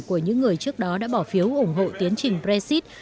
của những người trước đó đã bỏ phiếu ủng hộ tiến trình brexit